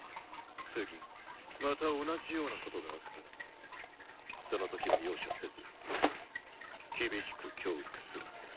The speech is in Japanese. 次また同じようなことがあったらその時は容赦せず厳しく「教育」する。